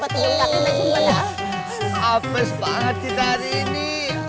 aduh abis banget kita hari ini